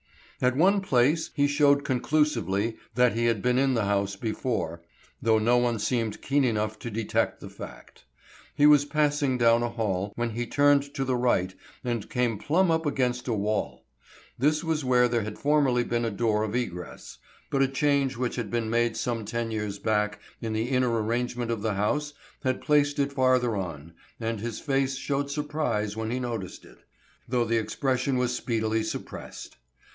At one place he showed conclusively that he had been in the house before, though no one seemed keen enough to detect the fact. He was passing down a hall, when he turned to the right and came plumb up against a wall. This was where there had formerly been a door of egress, but a change which had been made some ten years back in the inner arrangement of the house had placed it farther on, and his face showed surprise when he noted it, though the expression was speedily suppressed.